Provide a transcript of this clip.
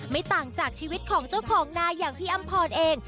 ไม่ต่างจากชีวิตของเจ้าของนาอย่างพี่อำพรเอง